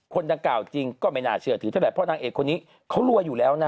คนดังกล่าวจริงก็ไม่น่าเชื่อถือเท่าไหร่เพราะนางเอกคนนี้เขารวยอยู่แล้วนะ